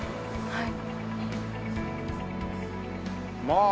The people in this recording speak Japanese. はい。